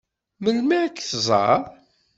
Melmi ad k-tẓeṛ?